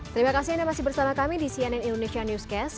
terima kasih anda masih bersama kami di cnn indonesia newscast